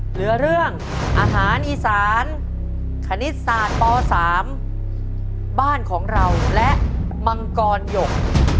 เหลือเรื่องอาหารอีสานคณิตศาสตร์ป๓บ้านของเราและมังกรหยก